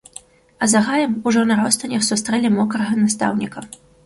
А за гаем, ужо на ростанях сустрэлі мокрага настаўніка.